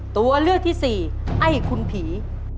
ตัวเลือกที่สี่ไอ้คุณผี